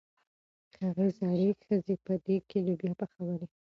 هغې زړې ښځې په دېګ کې لوبیا پخولې.